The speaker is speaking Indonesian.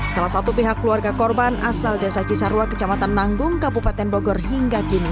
salah satu pihak keluarga korban asal desa cisarwa kecamatan nanggung kabupaten bogor hingga kini